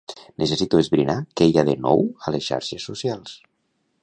Necessito esbrinar què hi ha de nou a les xarxes socials.